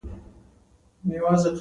شاته ودرېدل.